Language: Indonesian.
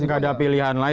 tidak ada pilihan lain